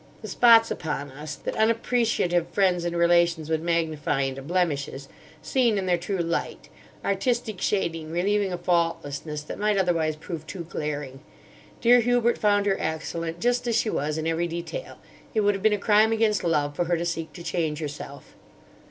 The spots upon us, that unappreciative friends and relations would magnify into blemishes, seen in their true light: artistic shading relieving a faultlessness that might otherwise prove too glaring. Dear Hubert found her excellent just as she was in every detail. It would have been a crime against Love for her to seek to change herself."